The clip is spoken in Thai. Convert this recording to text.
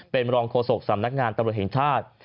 เป็นรองโฆษกสำนักงานตำรวจแห่งชาติ